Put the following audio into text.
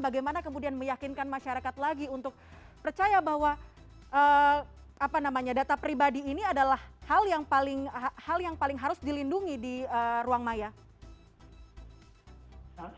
bagaimana kemudian meyakinkan masyarakat lagi untuk percaya bahwa data pribadi ini adalah hal yang paling harus dilindungi di ruang maya